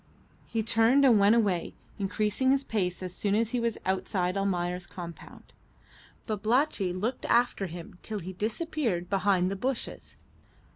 He turned and went away, increasing his pace as soon as he was outside Almayer's compound. Babalatchi looked after him till he disappeared behind the bushes.